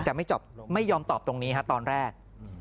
จะไม่ยอมตอบตรงนี้ครับตอนแรก